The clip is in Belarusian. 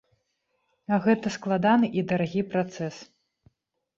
А гэта складаны і дарагі працэс.